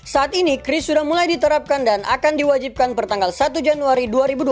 saat ini kris sudah mulai diterapkan dan akan diwajibkan pertanggal satu januari dua ribu dua puluh